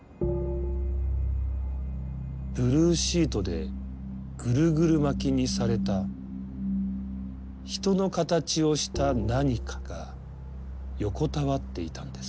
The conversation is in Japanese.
ブルーシートでぐるぐる巻きにされた人の形をした何かが横たわっていたんです。